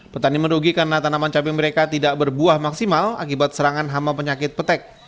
petani merugi karena tanaman cabai mereka tidak berbuah maksimal akibat serangan hama penyakit petek